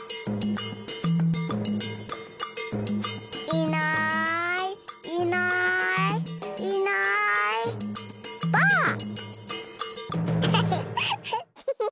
いないいないいないばあっ！